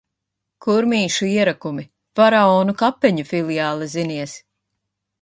Kurmīšu ierakumi. Faraonu kapeņu filiāle, zinies!